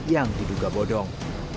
yang diduga bodong